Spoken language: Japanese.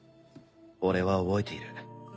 俺は覚えている。